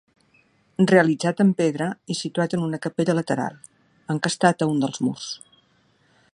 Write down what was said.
Realitzat en pedra i situat en una capella lateral, encastat a un dels murs.